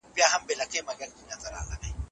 شاه محمود د افغانستان په تاریخ کې یو دروند نوم دی.